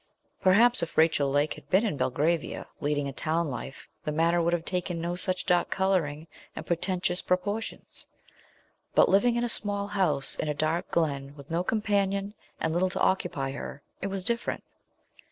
Perhaps if Rachel Lake had been in Belgravia, leading a town life, the matter would have taken no such dark colouring and portentous proportions. But living in a small old house, in a dark glen, with no companion, and little to occupy her, it was different.